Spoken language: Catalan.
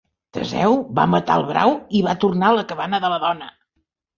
Teseu va matar el brau i va tornar a la cabana de la dona.